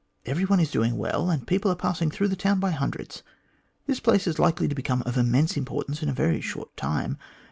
Every one is doing well, and people are passing through the town by hundreds. This place is likely to become of immense importance in a very short time.